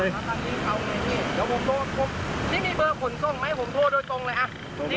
นี่ที่มีเบอร์ฝนทร่วงจะโทรจน้ำถูกเลยอะ